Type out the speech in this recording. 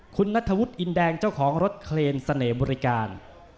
คุณนัทธวุฒิอินแดงเจ้าของรถเคลนเสน่ห์บริการ